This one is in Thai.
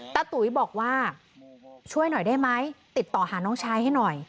ตุ๋ยบอกว่าช่วยหน่อยได้ไหมติดต่อหาน้องชายให้หน่อย